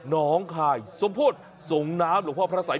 น้องคายสมโพธิส่งน้ำหลวงพ่อพระสัย